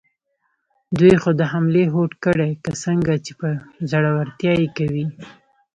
دوی خو د حملې هوډ کړی، که څنګه، چې په زړورتیا یې کوي؟